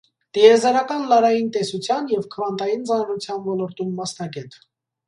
Տիեզերական լարային տեսության և քվանտային ծանրության ոլորտում մասնագետ։